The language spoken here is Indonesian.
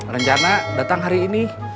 rencana datang hari ini